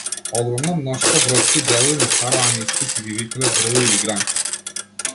Огромно мноштво бродски делови на староанглиски си ги викале дрво или гранка.